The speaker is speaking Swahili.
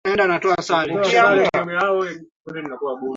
mauaji ya kimbari yalifanyika kwa akili sana